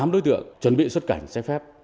một mươi tám đối tượng chuẩn bị xuất cảnh trái phép